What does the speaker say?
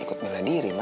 ikut bela diri ma